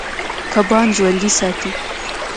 کبان ژوند ساتي.